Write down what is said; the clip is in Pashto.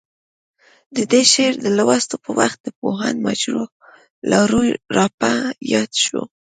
د دې شعر د لوستو په وخت د پوهاند مجروح لاروی راپه یاد شو.